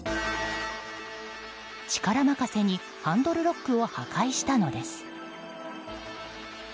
力任せにハンドルロックを破壊したのです。